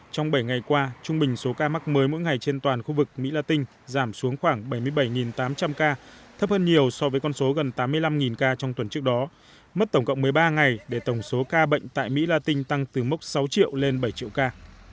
trong bảy ngày qua trung bình số ca mắc mới mỗi ngày trên toàn khu vực mỹ la tinh giảm xuống khoảng bảy mươi bảy tám trăm linh ca thấp hơn nhiều so với con số gần tám mươi năm ca trong tuần trước đó mất tổng cộng một mươi ba ngày để tổng số ca bệnh tại mỹ la tinh tăng từ mốc sáu triệu lên bảy triệu ca